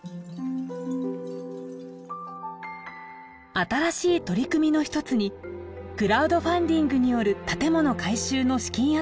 新しい取り組みのひとつにクラウドファンディングによる建物改修の資金集めがありました。